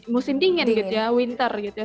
musim dingin gitu ya winter gitu ya